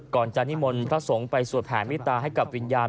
ก่อนจะนิมนต์พระสงฆ์ไปสวดแผ่มิตาให้กับวิญญาณ